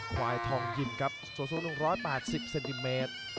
ควายทองยิมครับสูง๑๘๐เซนติเมตร